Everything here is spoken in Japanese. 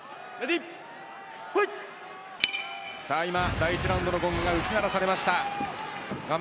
第１ラウンドのゴングが打ち鳴らされました。